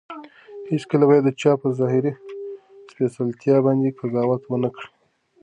هیڅکله باید د چا په ظاهري سپېڅلتیا باندې قضاوت ونه کړو.